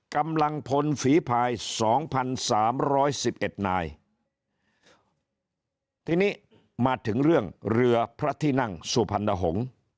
กำลังพลฝีภายสองพันสามร้อยสิบเอ็ดนายทีนี้มาถึงเรื่องเรือพระที่นั่งสุพรรณหงษ์